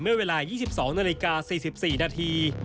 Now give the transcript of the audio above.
เมื่อเวลา๒๒นาฬิกา๔๔นาที